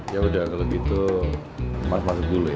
yaudah kalau gitu mas masuk dulu ya